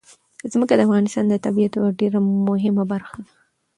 ځمکه د افغانستان د طبیعت یوه ډېره مهمه برخه ده.